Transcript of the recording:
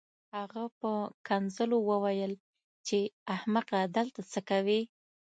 هغه په کنځلو وویل چې احمقه دلته څه کوې